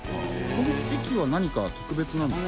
この液は何か特別なんですか？